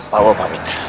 pak wo pamit dah